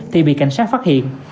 thì bị cảnh sát phát hiện